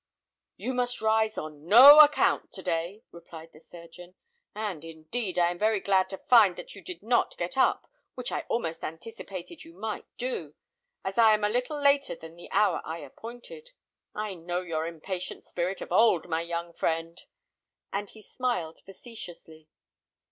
"You must rise on no account to day," replied the surgeon; "and, indeed, I am very glad to find that you did not get up, which I almost anticipated you might do, as I am a little later than the hour I appointed. I know your impatient spirit of old, my young friend." And he smiled facetiously.